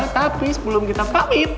tapi sebelum kita pamit